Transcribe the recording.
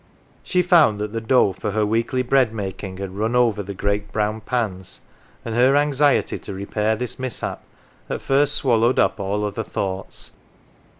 She found that the dough for her weekly bread 96 NANCY making had run over the great brown pans, and her anxiety to repair this mishap at first swallowed up all other thoughts.